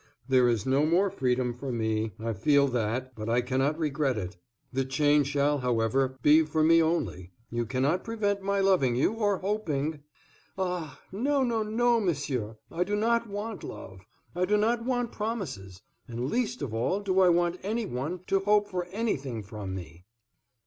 "There is no more freedom for me, I feel that, but I cannot regret it. The chain shall, however, be for me only; you cannot prevent my loving you, or hoping " "Ah, no, no, no, monsieur; I do not want love; I do not want promises; and least of all do I want any one to hope for anything from me."